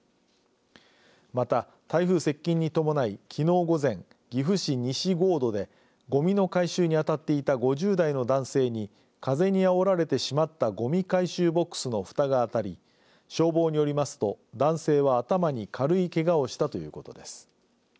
また、台風接近に伴いきのう午前岐阜市西河渡でごみの回収に当たっていた５０代の男性に風にあおられて閉まったごみ回収ボックスのふたが当たり消防によりますと、男性は頭に軽いけがをしたということです。